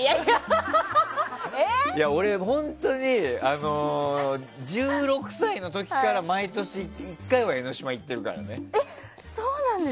俺、本当に１６歳の時から、毎年１回は江の島行ってるからね。